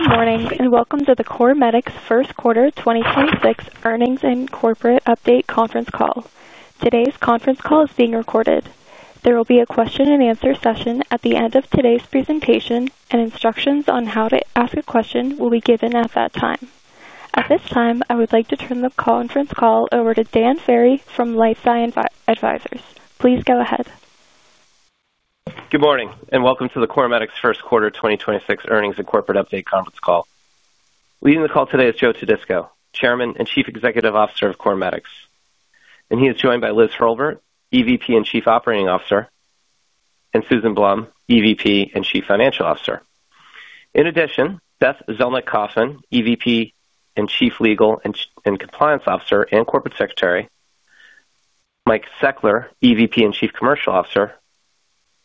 Good morning, and welcome to the CorMedix first quarter 2026 earnings and corporate update conference call. Today's conference call is being recorded. There will be a question-and-answer session at the end of today's presentation, and instructions on how to ask a question will be given at that time. At this time, I would like to turn the conference call over to Dan Ferry from LifeSci Advisors. Please go ahead. Good morning, welcome to the CorMedix first quarter 2026 earnings and corporate update conference call. Leading the call today is Joe Todisco, Chairman and Chief Executive Officer of CorMedix, he is joined by Liz Hurlburt, EVP and Chief Operating Officer, and Susan Blum, EVP and Chief Financial Officer. In addition, Beth Zelnick Kaufman, EVP and Chief Legal and Compliance Officer and Corporate Secretary, Mike Seckler, EVP and Chief Commercial Officer,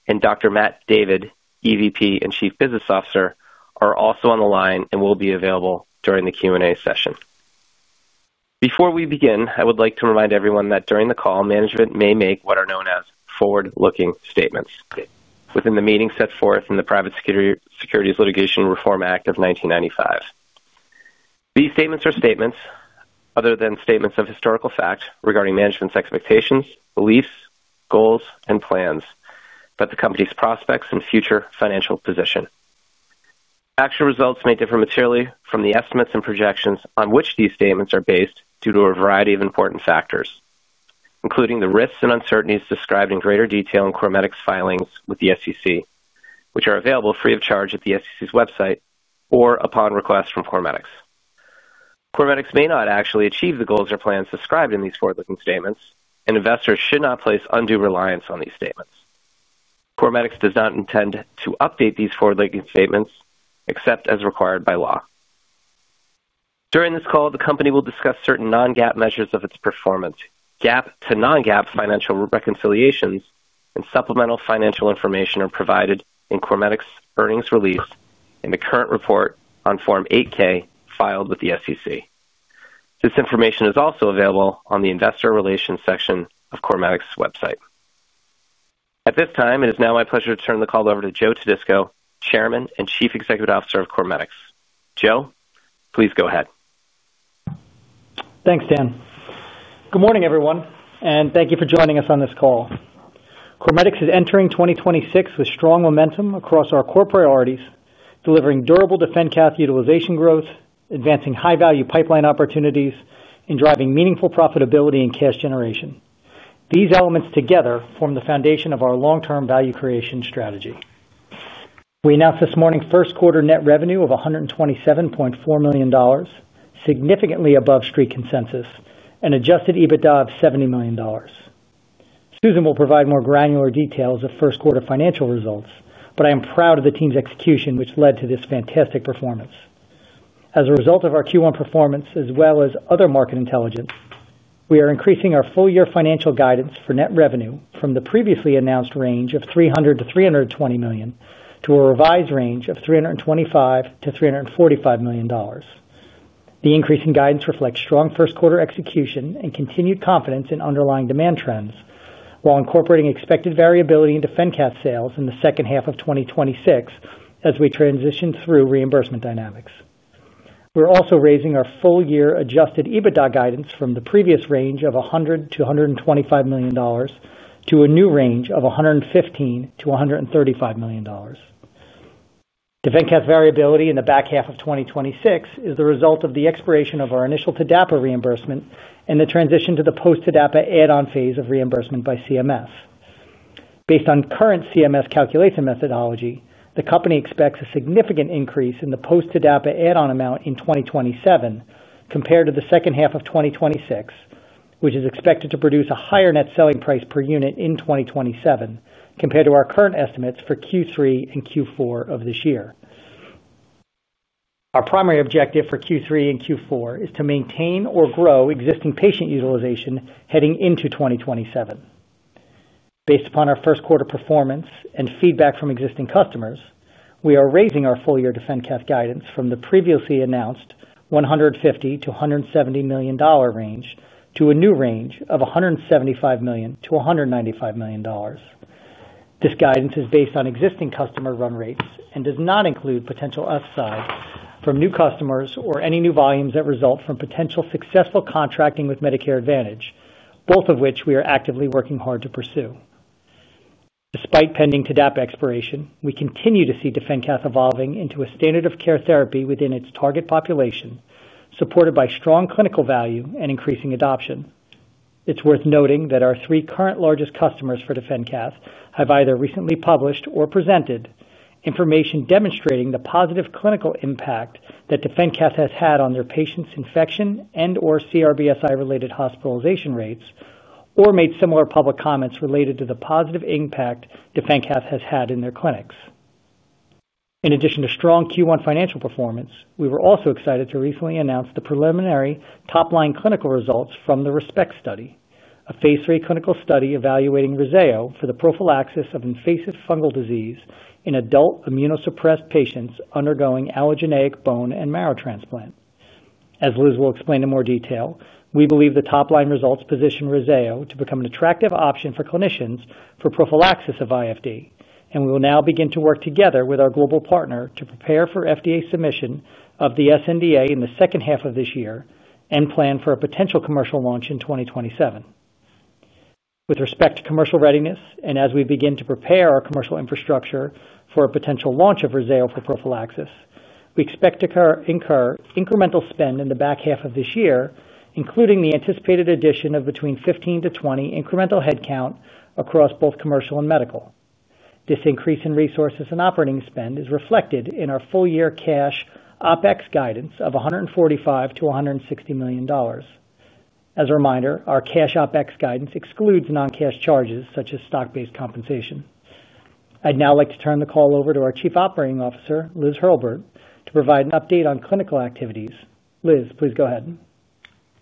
and Dr. Matt David, EVP and Chief Business Officer, are also on the line and will be available during the Q&A session. Before we begin, I would like to remind everyone that during the call, management may make what are known as forward-looking statements within the meaning set forth in the Private Securities Litigation Reform Act of 1995. These statements are statements other than statements of historical fact regarding management's expectations, beliefs, goals, and plans about the company's prospects and future financial position. Actual results may differ materially from the estimates and projections on which these statements are based due to a variety of important factors, including the risks and uncertainties described in greater detail in CorMedix's filings with the SEC, which are available free of charge at the SEC's website or upon request from CorMedix. CorMedix may not actually achieve the goals or plans described in these forward-looking statements, and investors should not place undue reliance on these statements. CorMedix does not intend to update these forward-looking statements except as required by law. During this call, the company will discuss certain non-GAAP measures of its performance. GAAP to non-GAAP financial reconciliations and supplemental financial information are provided in CorMedix's earnings release in the current report on Form 8-K filed with the SEC. This information is also available on the investor relations section of CorMedix's website. At this time, it is now my pleasure to turn the call over to Joe Todisco, Chairman and Chief Executive Officer of CorMedix. Joe, please go ahead. Thanks, Dan. Good morning, everyone, and thank you for joining us on this call. CorMedix is entering 2026 with strong momentum across our core priorities, delivering durable DefenCath utilization growth, advancing high-value pipeline opportunities, and driving meaningful profitability and cash generation. These elements together form the foundation of our long-term value creation strategy. We announced this morning the first quarter net revenue of $127.4 million, significantly above street consensus and adjusted EBITDA of $70 million. Susan will provide more granular details of first-quarter financial results, but I am proud of the team's execution, which led to this fantastic performance. As a result of our Q1 performance as well as other market intelligence, we are increasing our full-year financial guidance for net revenue from the previously announced range of $300 million-$320 million to a revised range of $325 million-$345 million. The increase in guidance reflects strong first-quarter execution and continued confidence in underlying demand trends while incorporating expected variability in DefenCath sales in the second half of 2026 as we transition through reimbursement dynamics. We're also raising our full-year adjusted EBITDA guidance from the previous range of $100 million-$125 million to a new range of $115 million-$135 million. DefenCath variability in the back half of 2026 is the result of the expiration of our initial TDAPA reimbursement and the transition to the post-TDAPA add-on phase of reimbursement by CMS. Based on the current CMS calculation methodology, the company expects a significant increase in the post-TDAPA add-on amount in 2027 compared to the second half of 2026, which is expected to produce a higher net selling price per unit in 2027 compared to our current estimates for Q3 and Q4 of this year. Our primary objective for Q3 and Q4 is to maintain or grow existing patient utilization heading into 2027. Based upon our first quarter performance and feedback from existing customers, we are raising our full-year DefenCath guidance from the previously announced $150 million-$170 million range to a new range of $175 million-$195 million. This guidance is based on existing customer run rates and does not include potential upside from new customers or any new volumes that result from potential successful contracting with Medicare Advantage, both of which we are actively working hard to pursue. Despite pending TDAPA expiration, we continue to see DefenCath evolving into a standard of care therapy within its target population, supported by strong clinical value and increasing adoption. It's worth noting that our three current largest customers for DefenCath have either recently published or presented information demonstrating the positive clinical impact that DefenCath has had on their patients' infection and/or CRBSI-related hospitalization rates, or made similar public comments related to the positive impact DefenCath has had in their clinics. In addition to strong Q1 financial performance, we were also excited to recently announce the preliminary top-line clinical results from the ReSPECT study, a phase III clinical study evaluating REZZAYO for the prophylaxis of invasive fungal disease in adult immunosuppressed patients undergoing allogeneic bone and marrow transplant. As Liz will explain in more detail, we believe the top-line results position REZZAYO to become an attractive option for clinicians for prophylaxis of IFD, and we will now begin to work together with our global partner to prepare for FDA submission of the sNDA in the second half of this year and plan for a potential commercial launch in 2027. With respect to commercial readiness and as we begin to prepare our commercial infrastructure for a potential launch of REZZAYO for prophylaxis, we expect to incur incremental spend in the back half of this year, including the anticipated addition of between 15 to 20 incremental headcounts across both commercial and medical. This increase in resources and operating spend is reflected in our full-year cash OpEx guidance of $145 million-$160 million. As a reminder, our cash OpEx guidance excludes non-cash charges such as stock-based compensation. I'd now like to turn the call over to our Chief Operating Officer, Liz Hurlburt, to provide an update on clinical activities. Liz, please go ahead.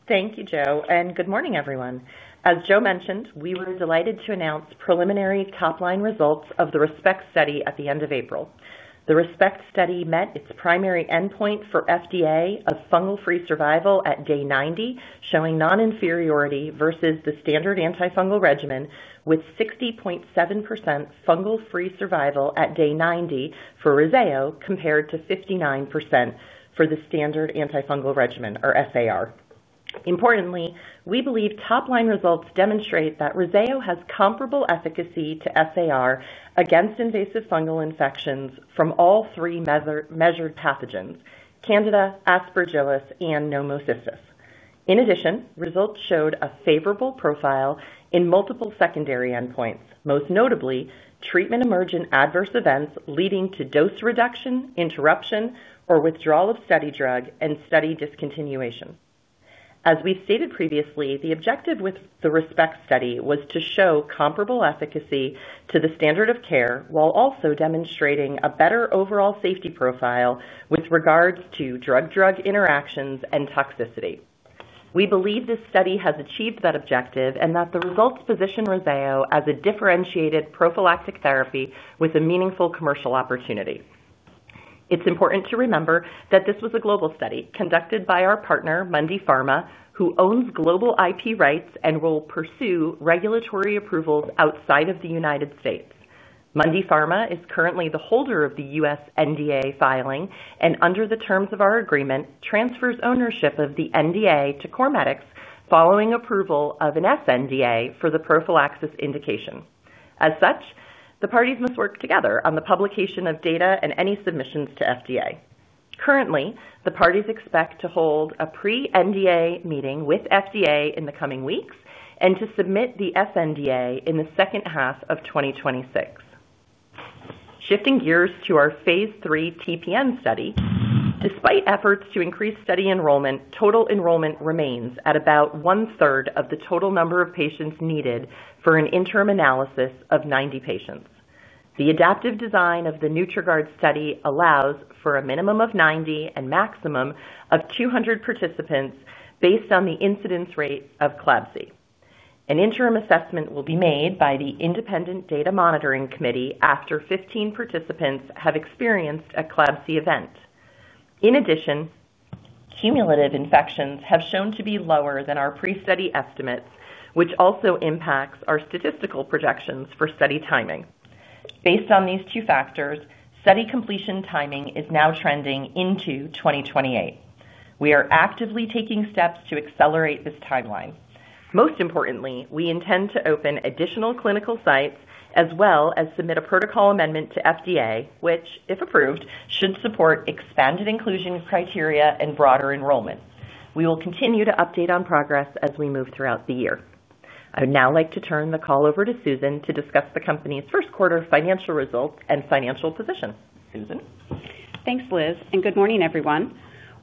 Thank you, Joe, and good morning, everyone. As Joe mentioned, we were delighted to announce preliminary top-line results of the ReSPECT study at the end of April. The ReSPECT study met its primary endpoint for the FDA of fungal-free survival at day 90, showing non-inferiority versus the standard antifungal regimen with 60.7% fungal-free survival at day 90 for REZZAYO compared to 59% for the standard antifungal regimen, or SAR. Importantly, we believe top-line results demonstrate that REZZAYO has comparable efficacy to SAR against invasive fungal infections from all three measured pathogens, Candida, Aspergillus, and Pneumocystis. In addition, results showed a favorable profile in multiple secondary endpoints, most notably treatment-emergent adverse events leading to dose reduction, interruption, or withdrawal of study drug and study discontinuation. As we've stated previously, the objective with the ReSPECT study was to show comparable efficacy to the standard of care while also demonstrating a better overall safety profile with regard to drug-drug interactions and toxicity. We believe this study has achieved that objective and that the results position REZZAYO as a differentiated prophylactic therapy with a meaningful commercial opportunity. It's important to remember that this was a global study conducted by our partner, Mundipharma, who owns global IP rights and will pursue regulatory approvals outside of the U.S. Mundipharma is currently the holder of the U.S. NDA filing and, under the terms of our agreement, transfers ownership of the NDA to CorMedix following approval of an sNDA for the prophylaxis indication. The parties must work together on the publication of data and any submissions to the FDA. Currently, the parties expect to hold a pre-NDA meeting with the FDA in the coming weeks and to submit the sNDA in the second half of 2026. Shifting gears to our phase III TPN study, despite efforts to increase study enrollment, total enrollment remains at about 1/3 of the total number of patients needed for an interim analysis of 90 patients. The adaptive design of the Nutri-Guard study allows for a minimum of 90 and a maximum of 200 participants based on the incidence rate of CLABSI. An interim assessment will be made by the Independent Data Monitoring Committee after 15 participants have experienced a CLABSI event. In addition, cumulative infections have shown to be lower than our pre-study estimates, which also impacts our statistical projections for study timing. Based on these two factors, study completion timing is now trending into 2028. We are actively taking steps to accelerate this timeline. Most importantly, we intend to open additional clinical sites as well as submit a protocol amendment to the FDA, which, if approved, should support expanded inclusion criteria and broader enrollment. We will continue to update on progress as we move throughout the year. I would now like to turn the call over to Susan to discuss the company's first-quarter financial results and financial position. Susan? Thanks, Liz, good morning, everyone.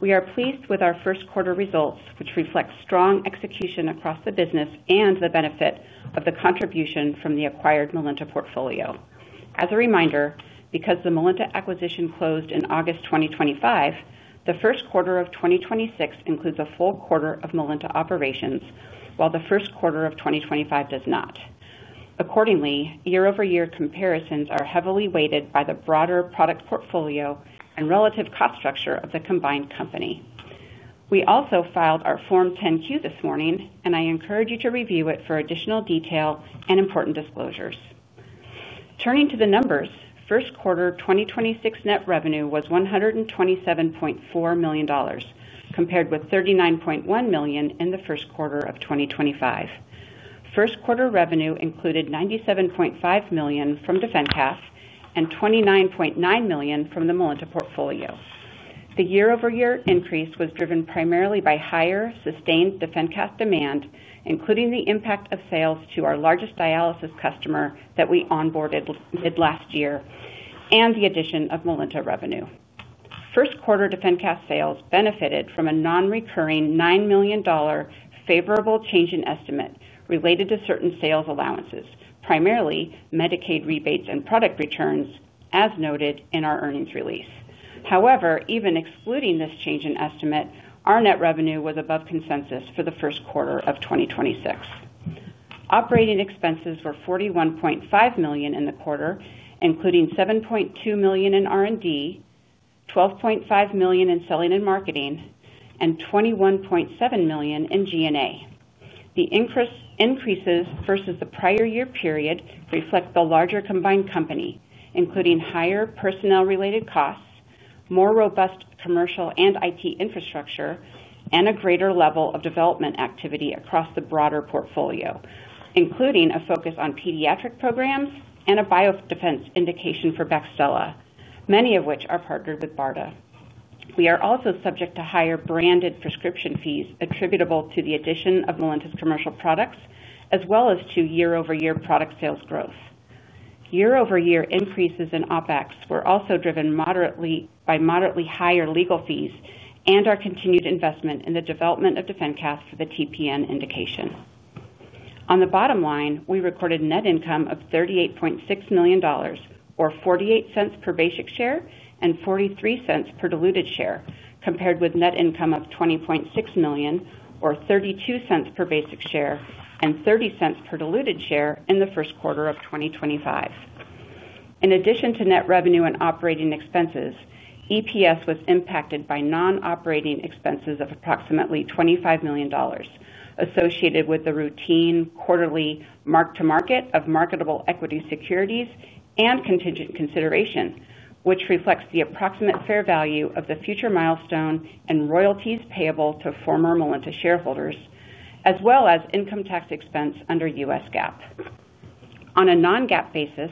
We are pleased with our first quarter results, which reflect strong execution across the business and the benefit of the contribution from the acquired Melinta portfolio. As a reminder, because the Melinta acquisition closed in August 2025, the first quarter of 2026 includes a full quarter of Melinta operations, while the first quarter of 2025 does not. Accordingly, year-over-year comparisons are heavily weighted by the broader product portfolio and relative cost structure of the combined company. We also filed our Form 10-Q this morning. I encourage you to review it for additional detail and important disclosures. Turning to the numbers, first-quarter 2026 net revenue was $127.4 million, compared with $39.1 million in the first quarter of 2025. First quarter revenue included $97.5 million from DefenCath and $29.9 million from the Melinta portfolio. The year-over-year increase was driven primarily by higher sustained DefenCath demand, including the impact of sales to our largest dialysis customer that we onboarded mid-last year and the addition of Melinta revenue. First quarter DefenCath sales benefited from a non-recurring $9 million favorable change in estimate related to certain sales allowances, primarily Medicaid rebates and product returns, as noted in our earnings release. Even excluding this change in estimate, our net revenue was above consensus for the first quarter of 2026. Operating expenses were $41.5 million in the quarter, including $7.2 million in R&D, $12.5 million in selling and marketing, and $21.7 million in G&A. The increases versus the prior year period reflect the larger combined company, including higher personnel-related costs, more robust commercial and IT infrastructure, and a greater level of development activity across the broader portfolio, including a focus on pediatric programs and a biodefense indication for Baxdela, many of which are partnered with BARDA. We are also subject to higher branded prescription fees attributable to the addition of Melinta's commercial products, as well as to year-over-year product sales growth. Year-over-year increases in OpEx were also driven moderately by moderately higher legal fees and our continued investment in the development of DefenCath for the TPN indication. On the bottom line, we recorded net income of $38.6 million or $0.48 per basic share and $0.43 per diluted share, compared with net income of $20.6 million or $0.32 per basic share and $0.30 per diluted share in the first quarter of 2025. In addition to net revenue and operating expenses, EPS was impacted by non-operating expenses of approximately $25 million associated with the routine quarterly mark-to-market of marketable equity securities and contingent consideration, which reflects the approximate fair value of the future milestone and royalties payable to former Melinta shareholders, as well as income tax expense under U.S. GAAP. On a non-GAAP basis,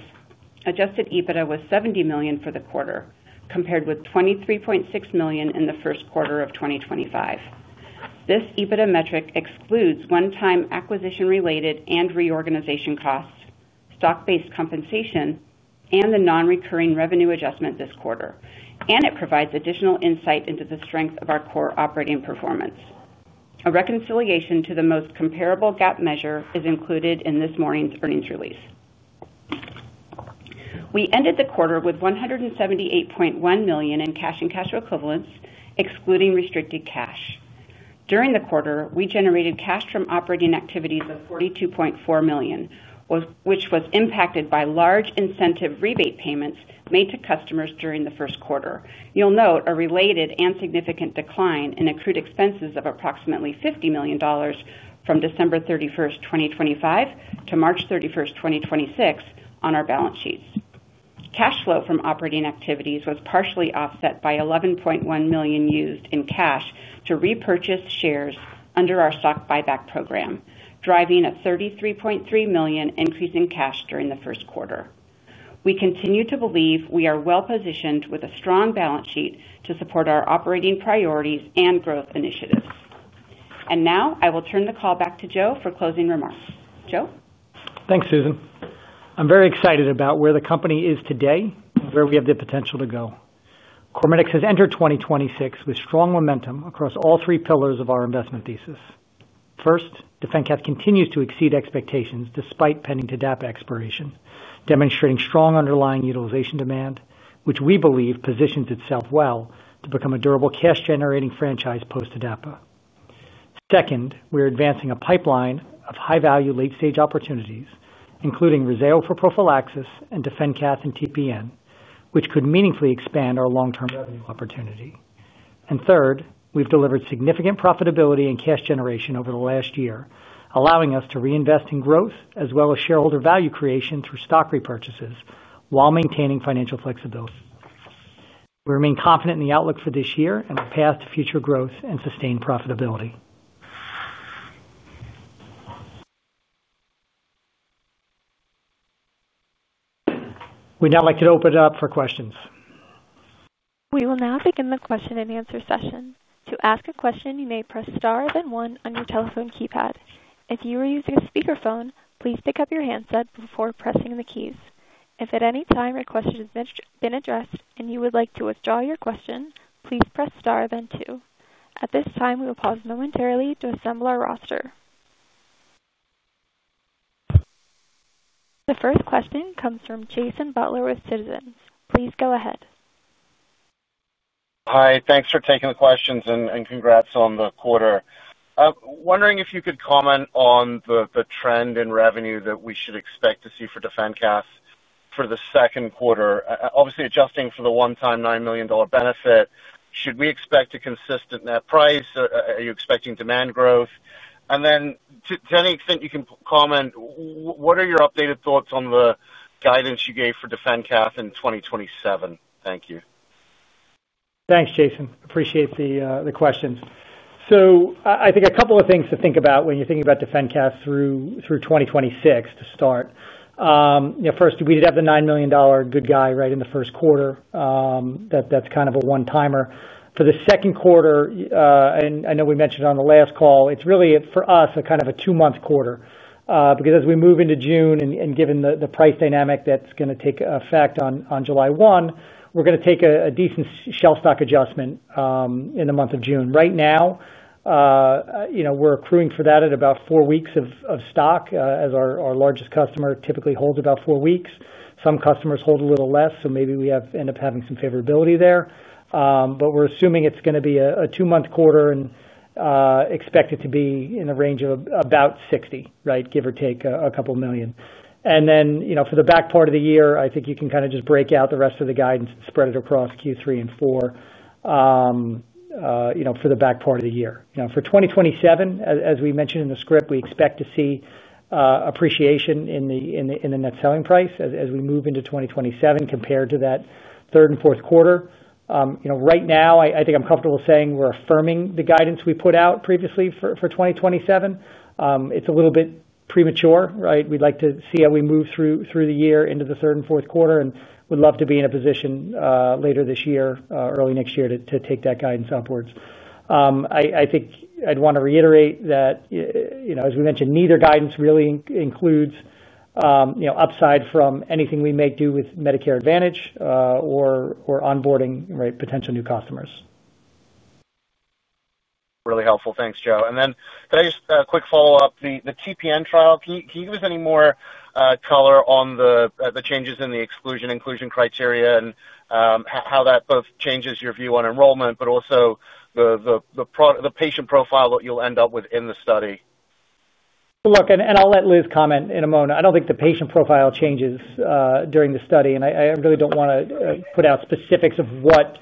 adjusted EBITDA was $70 million for the quarter, compared with $23.6 million in the first quarter of 2025. This EBITDA metric excludes one-time acquisition-related and reorganization costs, stock-based compensation, and the non-recurring revenue adjustment this quarter. It provides additional insight into the strength of our core operating performance. A reconciliation to the most comparable GAAP measure is included in this morning's earnings release. We ended the quarter with $178.1 million in cash and cash equivalents, excluding restricted cash. During the quarter, we generated cash from operating activities of $42.4 million, which was impacted by large incentive rebate payments made to customers during the first quarter. You'll note a related and significant decline in accrued expenses of approximately $50 million from December 31, 2025, to March 31, 2026, on our balance sheets. Cash flow from operating activities was partially offset by $11.1 million used in cash to repurchase shares under our stock buyback program, driving a $33.3 million increase in cash during the first quarter. We continue to believe we are well-positioned with a strong balance sheet to support our operating priorities and growth initiatives. Now I will turn the call back to Joe for closing remarks. Joe? Thanks, Susan. I'm very excited about where the company is today and where we have the potential to go. CorMedix has entered 2026 with strong momentum across all three pillars of our investment thesis. First, DefenCath continues to exceed expectations despite pending TDAPA expiration, demonstrating strong underlying utilization demand, which we believe positions itself well to become a durable cash-generating franchise post-TDAPA. Second, we're advancing a pipeline of high-value late-stage opportunities, including REZZAYO for prophylaxis and DefenCath and TPN, which could meaningfully expand our long-term revenue opportunity. Third, we've delivered significant profitability and cash generation over the last year, allowing us to reinvest in growth as well as shareholder value creation through stock repurchases while maintaining financial flexibility. We remain confident in the outlook for this year and our path to future growth and sustained profitability. We'd now like to open it up for questions. We will now begin the question-and-answer session. To ask a question, you may press star then one on your telephone keypad. If you are using a speakerphone, please take up your handset before pressing the keys. If at any time a question has been addressed and you would like to withdraw your question, please press star then two. At this time, we will pause momentarily to assemble our roster. The first question comes from Jason Butler with Citizens. Please go ahead. Hi. Thanks for taking the questions, and congrats on the quarter. Wondering if you could comment on the trend in revenue that we should expect to see for DefenCath for the second quarter. Obviously, adjusting for the one-time $9 million benefit, should we expect a consistent net price? Are you expecting demand growth? To any extent you can comment, what are your updated thoughts on the guidance you gave for DefenCath in 2027? Thank you. Thanks, Jason. Appreciate the questions. I think a couple of things to think about when you're thinking about DefenCath through 2026 to start. You know, first, we did have the $9 million good guy right in the first quarter, that's kind of a one-timer. For the second quarter, and I know we mentioned on the last call, it's really, for us, a kind of a two-month quarter, because as we move into June and given the price dynamic that's gonna take effect on July 1, we're gonna take a decent shelf stock adjustment in the month of June. Right now, you know, we're accruing for that at about four weeks of stock, as our largest customer typically holds about four weeks. Some customers hold a little less, maybe we end up having some favorability there. We're assuming it's going to be a two-month quarter and expect it to be in the range of about $60, right? Give or take a couple of million. You know, for the back part of the year, I think you can kind of just break out the rest of the guidance and spread it across Q3 and Q4, you know, for the back part of the year. For 2027, as we mentioned in the script, we expect to see appreciation in the net selling price as we move into 2027 compared to the third and fourth quarters. You know, right now I think I'm comfortable saying we're affirming the guidance we put out previously for 2027. It's a little bit premature, right? We'd like to see how we move through the year into the third and fourth quarter, and would love to be in a position later this year, early next year, to take that guidance upwards. I think I'd wanna reiterate that, you know, as we mentioned, neither guidance really includes, you know, upside from anything we may do with Medicare Advantage or onboarding, right, potential new customers. Really helpful. Thanks, Joe. Can I just quick follow-up, the TPN trial? Can you give us any more color on the changes in the exclusion/inclusion criteria and how that both changes your view on enrollment, but also the patient profile that you'll end up with in the study? Look, and I'll let Liz comment in a moment. I don't think the patient profile changes during the study, and I really don't wanna put out specifics of what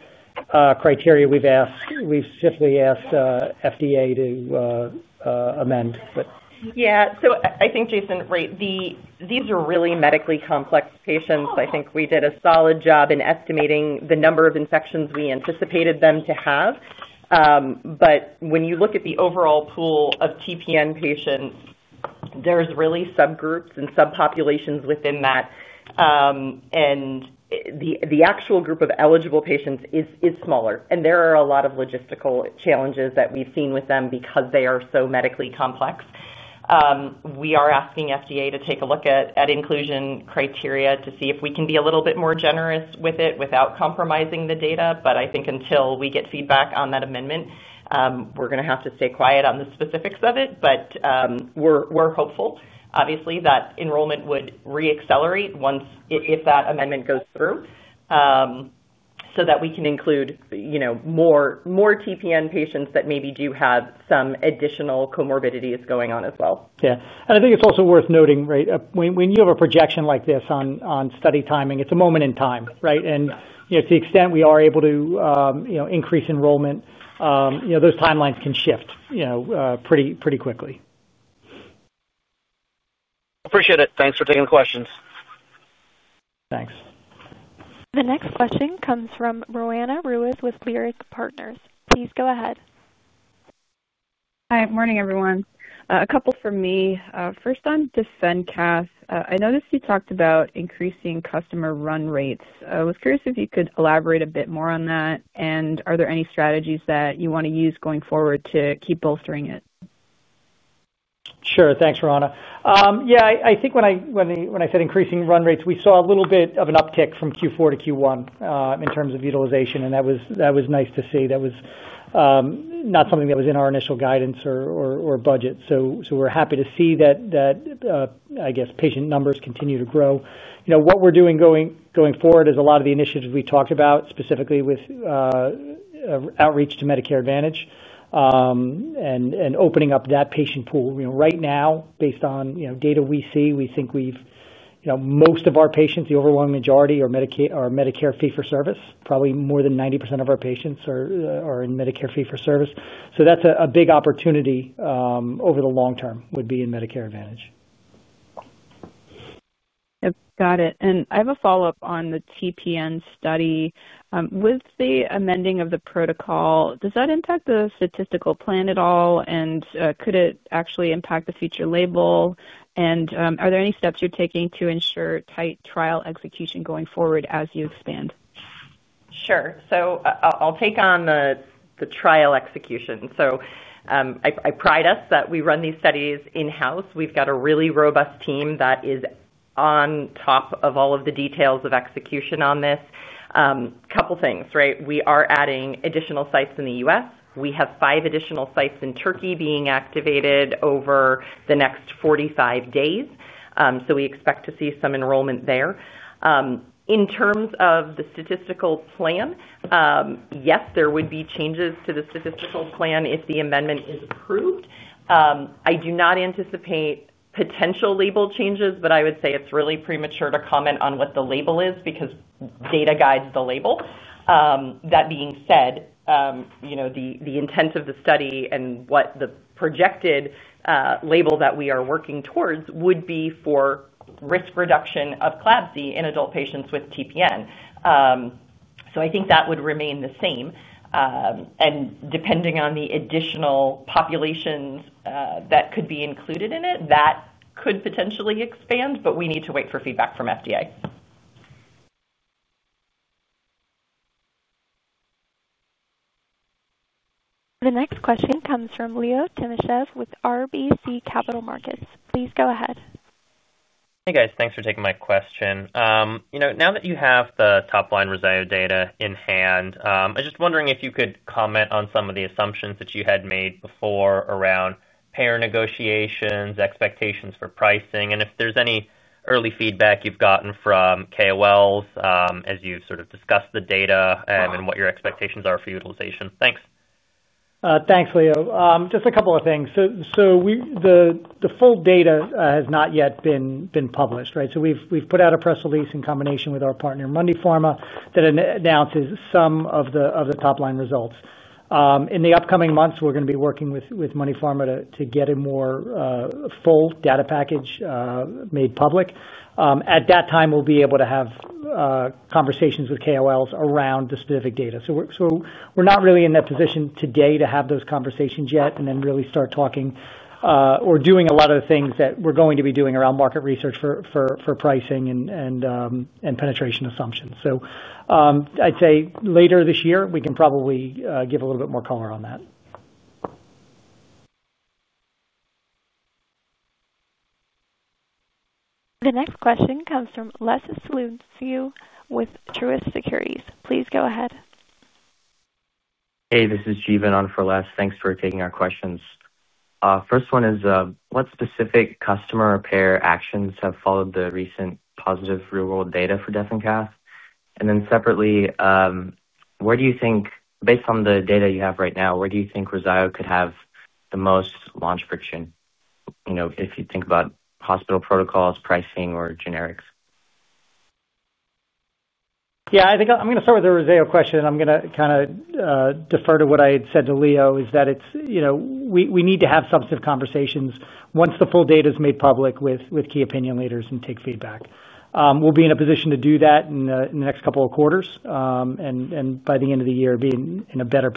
criteria we've asked. We've simply asked the FDA to amend. I think, Jason, right, these are really medically complex patients. I think we did a solid job in estimating the number of infections we anticipated them to have. When you look at the overall pool of TPN patients, there's really subgroups and subpopulations within that. The actual group of eligible patients is smaller, and there are a lot of logistical challenges that we've seen with them because they are so medically complex. We are asking the FDA to take a look at the inclusion criteria to see if we can be a little bit more generous with it without compromising the data. I think until we get feedback on that amendment, we're gonna have to stay quiet on the specifics of it. We're hopeful, obviously, that enrollment would re-accelerate if that amendment goes through, so that we can include, you know, more TPN patients that maybe do have some additional comorbidities going on as well. Yeah. I think it's also worth noting, right, when you have a projection like this on study timing, it's a moment in time, right? Yeah. You know, to the extent we are able to, you know, increase enrollment, you know, those timelines can shift, you know, pretty quickly. Appreciate it. Thanks for taking the questions. Thanks. The next question comes from Roanna Ruiz with Leerink Partners. Please go ahead. Hi. Morning, everyone. A couple from me. First on DefenCath. I noticed you talked about increasing customer run rates. I was curious if you could elaborate a bit more on that, and are there any strategies that you wanna use going forward to keep bolstering it? Sure. Thanks, Roanna. Yeah, I think when I said increasing run rates, we saw a little bit of an uptick from Q4 to Q1 in terms of utilization, and that was nice to see. That was not something that was in our initial guidance or budget. We're happy to see that patient numbers continue to grow. You know, what we're doing going forward is a lot of the initiatives we talked about, specifically with outreach to Medicare Advantage, and opening up that patient pool. You know, right now, based on, you know, data we see, we think we've, you know, most of our patients, the overwhelming majority, are Medicare fee-for-service. Probably more than 90% of our patients are in Medicare fee-for-service. That's a big opportunity over the long term, would be in Medicare Advantage. Yep. Got it. I have a follow-up on the TPN study. With the amending of the protocol, does that impact the statistical plan at all? Could it actually impact the future label? Are there any steps you're taking to ensure tight trial execution going forward as you expand? Sure. I'll take on the trial execution. I pride us that we run these studies in-house. We've got a really robust team that is on top of all of the details of execution on this. Couple of things, right? We are adding additional sites in the U.S. We have five additional sites in Turkey being activated over the next 45 days, we expect to see some enrollment there. In terms of the statistical plan, yes, there would be changes to the statistical plan if the amendment is approved. I do not anticipate potential label changes. I would say it's really premature to comment on what the label is because data guides the label. That being said, you know, the intent of the study and what the projected label that we are working towards would be for risk reduction of CLABSI in adult patients with TPN. I think that would remain the same. Depending on the additional populations, that could be included in it, that could potentially expand, but we need to wait for feedback from the FDA. The next question comes from Leonid Timashev with RBC Capital Markets. Please go ahead. Hey, guys. Thanks for taking my question. You know, now that you have the top-line REZZAYO data in hand, I'm just wondering if you could comment on some of the assumptions that you had made before around payer negotiations, expectations for pricing, and if there's any early feedback you've gotten from KOLs, as you sort of discuss the data and what your expectations are for utilization. Thanks. Thanks, Leo. Just a couple of things. The full data has not yet been published, right? We've put out a press release in combination with our partner, Mundipharma, that announces some of the top-line results. In the upcoming months, we're gonna be working with Mundipharma to get a more full data package made public. At that time, we'll be able to have conversations with KOLs around the specific data. We're not really in that position today to have those conversations yet and then really start talking or doing a lot of the things that we're going to be doing around market research for pricing and penetration assumptions. I'd say later this year, we can probably give a little bit more color on that. The next question comes from Les Sulewski, with Truist Securities. Please go ahead. Hey, this is Jeevan on for Les. Thanks for taking our questions. First one is what specific customer or payer actions have followed the recent positive real-world data for DefenCath? separately, where do you think based on the data you have right now, where do you think REZZAYO could have the most launch friction? You know, if you think about hospital protocols, pricing, or generics. Yeah, I think I'm going to start with the REZZAYO question. I'm going to kind of defer to what I had said to Leo, is that it's, you know, we need to have substantive conversations once the full data is made public with key opinion leaders and take feedback. We'll be in a position to do that in the next couple of quarters, and by the end of the year, be in a better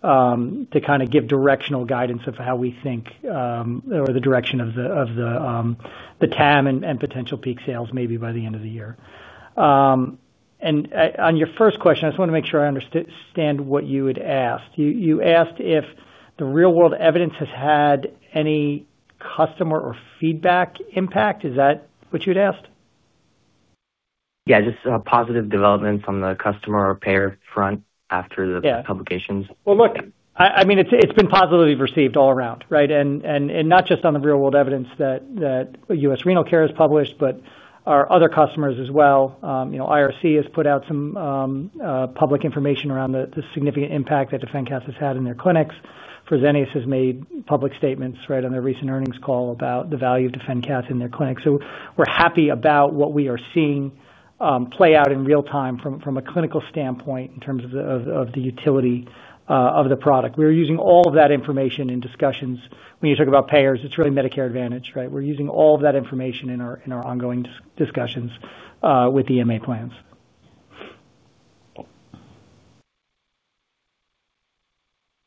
position to kind of give directional guidance of how we think, or the direction of the TAM and potential peak sales, maybe by the end of the year. On your first question, I just want to make sure I understand what you had asked. You asked if the real-world evidence has had any customer or feedback impact. Is that what you'd asked? Yeah, just positive developments on the customer or payer front after the. Yeah. -publications. Well, look, I mean, it's been positively received all around, right? Not just on the real-world evidence that U.S. Renal Care has published, but our other customers as well. You know, IRC has put out some public information around the significant impact that DefenCath has had in their clinics. Fresenius has made public statements right on their recent earnings call about the value of DefenCath in their clinics. We're happy about what we are seeing play out in real time from a clinical standpoint in terms of the utility of the product. We are using all of that information in discussions. When you talk about payers, it's really Medicare Advantage, right? We're using all of that information in our ongoing discussions with the MA plans.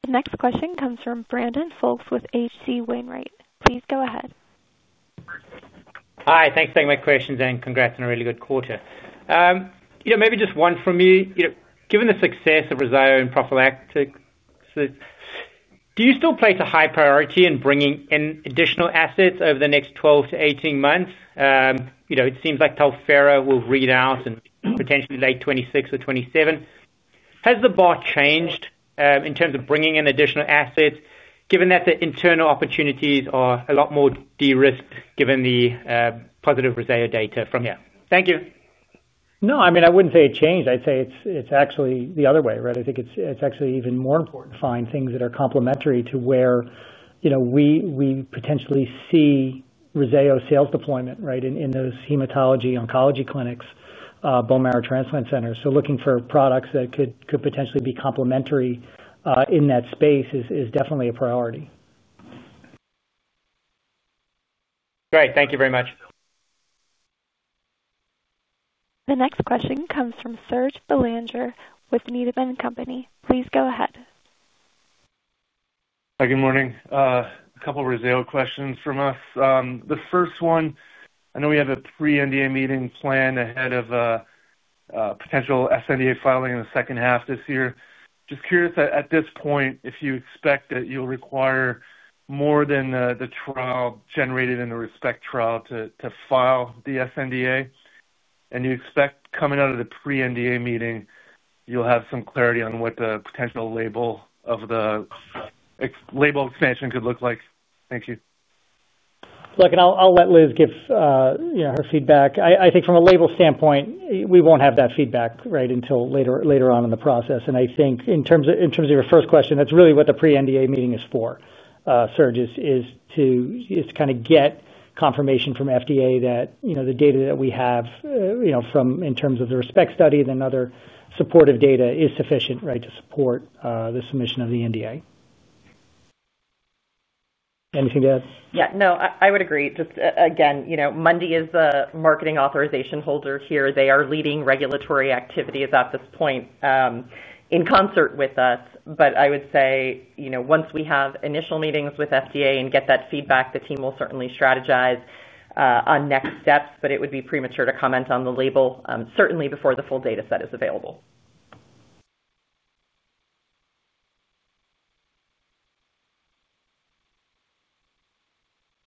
The next question comes from Brandon Folkes with H.C. Wainwright. Please go ahead. Hi, thanks for taking my questions, and congrats on a really good quarter. You know, maybe just one from me. You know, given the success of REZZAYO and prophylactic, do you still place a high priority in bringing in additional assets over the next 12 to 18 months? You know, it seems like Teflaro will read out in potentially late 2026 or 2027. Has the bar changed in terms of bringing in additional assets, given that the internal opportunities are a lot more de-risked, given the positive REZZAYO data from you? Thank you. No, I mean, I wouldn't say it changed. I'd say it's actually the other way, right? I think it's actually even more important to find things that are complementary to where, you know, we potentially see REZZAYO sales deployment, right, in those hematology oncology clinics, bone marrow transplant centers. Looking for products that could potentially be complementary in that space is definitely a priority. Great. Thank you very much. The next question comes from Serge Belanger with Needham & Company. Please go ahead. Hi, good morning. A couple of REZZAYO questions from us. The first one, I know we have a pre-NDA meeting planned ahead of a potential sNDA filing in the second half this year. Just curious at this point, if you expect that you'll require more than the trial generated in the ReSPECT trial to file the sNDA. You expect coming out of the pre-NDA meeting, you'll have some clarity on what the potential label expansion could look like. Thank you. Look, I'll let Liz give, you know, her feedback. I think from a label standpoint, we won't have that feedback, right, until later on in the process. I think in terms of, in terms of your first question, that's really what the pre-NDA meeting is for, Serge. It's to kinda get confirmation from the FDA that, you know, the data that we have, you know, in terms of the ReSPECT study, and other supportive data, is sufficient, right, to support the submission of the NDA. Anything to add? Yeah, no, I would agree. Just again, you know, Mundipharma is a marketing authorization holder here. They are leading regulatory activities at this point, in concert with us. I would say, you know, once we have initial meetings with the FDA and get that feedback, the team will certainly strategize on next steps, but it would be premature to comment on the label, certainly before the full data set is available.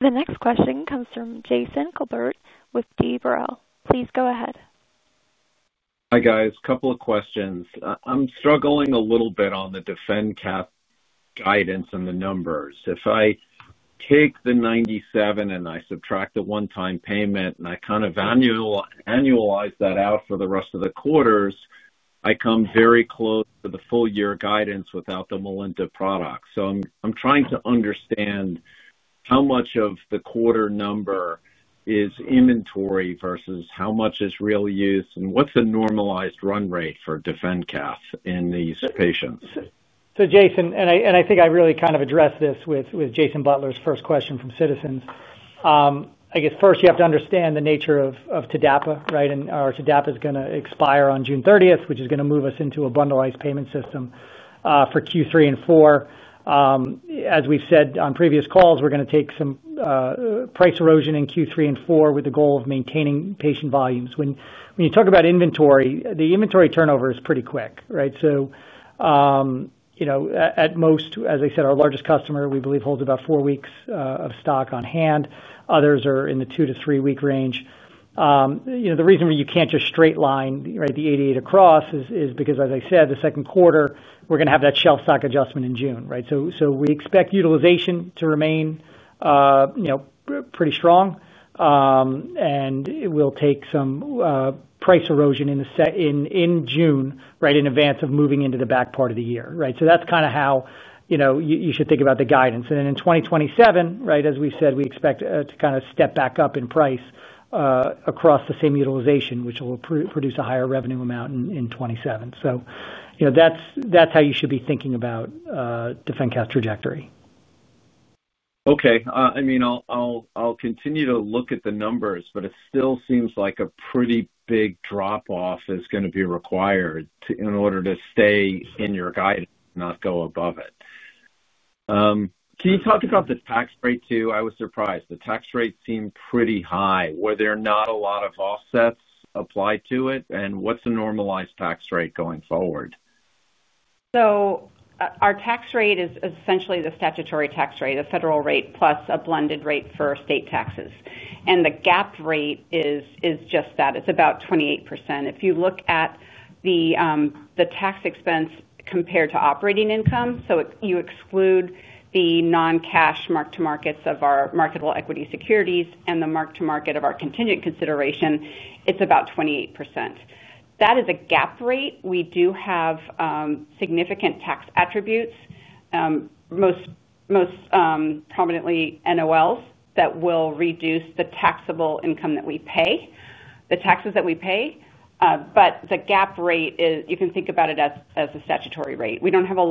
The next question comes from Jason Kolbert with D. Boral. Please go ahead. Hi, guys. A couple of questions. I'm struggling a little bit on the DefenCath guidance and the numbers. If I take the 97 and I subtract the one-time payment, and I kind of annualize that out for the rest of the quarters, I come very close to the full year guidance without the Melinta product. I'm trying to understand how much of the quarter number is inventory versus how much is real use, and what's the normalized run rate for DefenCath in these patients? Jason, I think I really addressed this with Jason Butler's first question from Citizens. I guess first you have to understand the nature of TDAPA, right? Our TDAPA is going to expire on June 30th, which is going to move us into a bundled payment system for Q3 and Q4. As we have said on previous calls, we are going to take some price erosion in Q3 and Q4 with the goal of maintaining patient volumes. When you talk about inventory, the inventory turnover is pretty quick, right? You know, at most, as I said, our largest customer, we believe, holds about four weeks of stock on hand. Others are in the two to three week range. You know, the reason why you can't just straight line, right, the 88 across is because, as I said, the second quarter, we're gonna have that shelf stock adjustment in June, right? We expect utilization to remain, you know, pretty strong. It will take some price erosion in the set in June, right, in advance of moving into the back part of the year. Right? That's kinda how, you know, you should think about the guidance. In 2027, right, as we said, we expect to kinda step back up in price across the same utilization, which will produce a higher revenue amount in 2027. You know, that's how you should be thinking about DefenCath trajectory. Okay. I mean, I'll continue to look at the numbers, but it still seems like a pretty big drop-off is gonna be required in order to stay in your guidance, not go above it. Can you talk about the tax rate, too? I was surprised. The tax rate seemed pretty high. Were there not a lot of offsets applied to it? What's the normalized tax rate going forward? Our tax rate is essentially the statutory tax rate, the federal rate, plus a blended rate for state taxes. The GAAP rate is just that. It's about 28%. If you look at the tax expense compared to operating income, you exclude the non-cash mark-to-market of our marketable equity securities and the market-to-market of our contingent consideration, it's about 20%. That is a GAAP rate. We do have significant tax attributes, most prominently NOLs that will reduce the taxable income that we pay, the taxes that we pay. The GAAP rate you can think about it as a statutory rate. We don't have a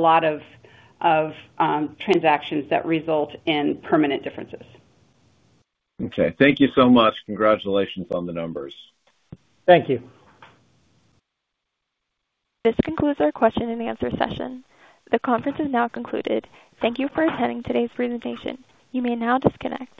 lot of transactions that result in permanent differences. Okay. Thank you so much. Congratulations on the numbers. Thank you. This concludes our question-and-answer session. The conference is now concluded. Thank you for attending today's presentation. You may now disconnect.